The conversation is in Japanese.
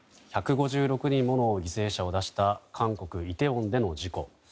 １５６人もの犠牲者を出した韓国イテウォンでの事故。